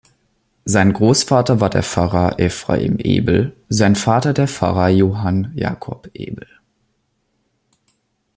Sein Großvater war der Pfarrer Ephraim Ebel, sein Vater der Pfarrer Johann Jakob Ebel.